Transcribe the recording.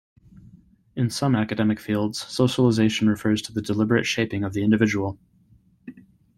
In some academic fields, socialization refers to the deliberate shaping of the individual.